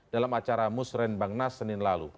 dalam acara musrembangnas senin lalu